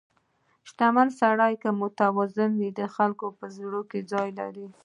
• شتمن سړی که متواضع وي، د خلکو په زړونو کې ځای لري.